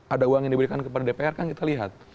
ada uang yang diberikan kepada dpr kan kita lihat